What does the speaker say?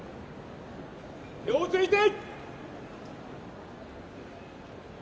手をついて。